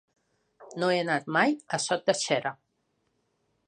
No he anat mai a Sot de Xera.